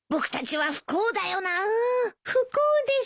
不幸です。